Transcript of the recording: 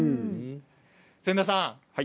仙田さん。